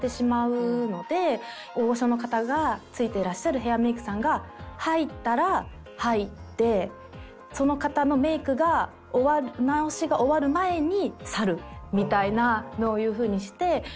大御所の方が付いてらっしゃるヘアメイクさんが入ったら入ってその方のメイクが直しが終わる前に去るみたいな。という風にして。